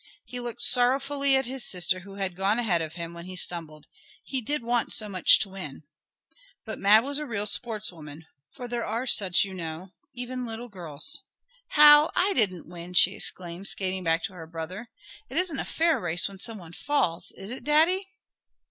He looked sorrowfully at his sister who had gone ahead of him, when he stumbled. He did want so much to win! But Mab was a real "sportswoman," for there are such you know even little girls. "Hal, I didn't win!" she exclaimed, skating back to her brother, "It isn't a fair race when some one falls; is it Daddy?"